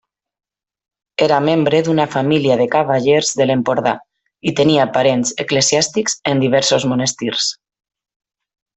Era membre d'una família de cavallers de l'Empordà i tenia parents eclesiàstics en diversos monestirs.